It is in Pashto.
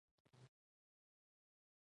زه اوس حیران پاتې وم چې څه وکړم.